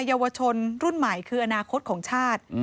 เยาวชนรุ่นใหม่คืออนาคตของชาติ